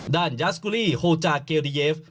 ด่านยาสกุลี่โฮจากเกลดีเอฟ